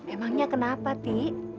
emangnya kenapa ti